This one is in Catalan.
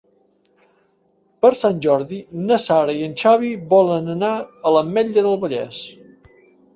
Per Sant Jordi na Sara i en Xavi volen anar a l'Ametlla del Vallès.